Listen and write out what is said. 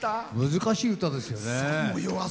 難しい歌ですよね。